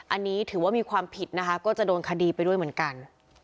อันนี้ถือว่ามีความผิดนะคะก็จะโดนคดีไปด้วยเหมือนกัน